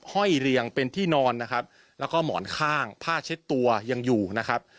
ห้อยเรียงเป็นที่นอนนะครับแล้วก็หมอนข้างผ้าเช็ดตัวยังอยู่นะครับ